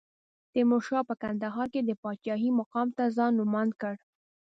تیمورشاه په کندهار کې د پاچاهۍ مقام ته ځان نوماند کړ.